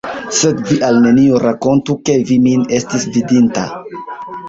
Sed vi al neniu rakontu, ke vi min estis vidinta!